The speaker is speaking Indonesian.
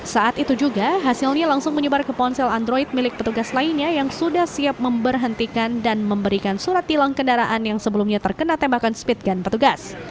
saat itu juga hasilnya langsung menyebar ke ponsel android milik petugas lainnya yang sudah siap memberhentikan dan memberikan surat tilang kendaraan yang sebelumnya terkena tembakan speed gun petugas